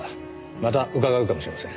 また伺うかもしれません。